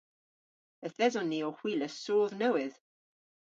Yth eson ni ow hwilas soodh nowydh.